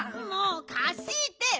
もうかして！